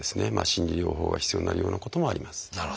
心理療法が必要になるようなこともあります。